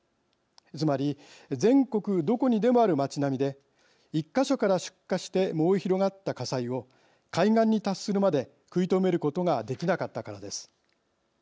つまり、全国どこにでもある街並みで１か所から出火して燃え広がった火災を海岸に達するまで食い止めることができなかったからです。